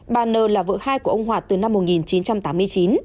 bà nner là vợ hai của ông hoạt từ năm một nghìn chín trăm tám mươi chín